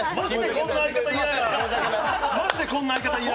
こんな相方、嫌や。